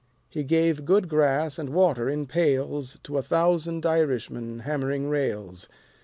He gave good grass and water in pails To a thousand Irishmen hammering rails.